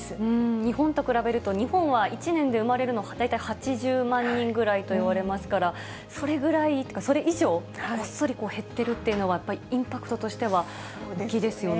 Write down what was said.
日本と比べると、日本は１年で生まれるのが大体８０万人ぐらいといわれますから、それぐらいというか、それ以上、ごっそり減っているっていうのは、やっぱりインパクトとしては大きいですよね。